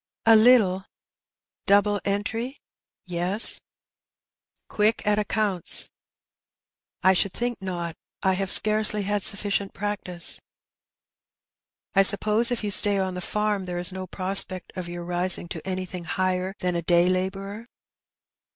'''' A little." " Double entry ?"" Yes." " Quick at accounts ?" "I should think not. I have scarcely had sufficient practice." " I suppose if you stay on the farm there is no prospect of your rising to anything higher than a day labourer